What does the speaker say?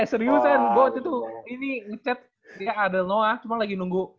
eh serius sen gua tuh ini ngechat dia adil noah cuma lagi nunggu